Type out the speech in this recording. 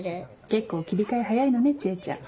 結構切り替え早いのね知恵ちゃん。